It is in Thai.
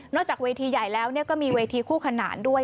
จากเวทีใหญ่แล้วก็มีเวทีคู่ขนานด้วย